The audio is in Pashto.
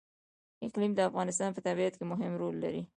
اقلیم د افغانستان په طبیعت کې مهم رول لري.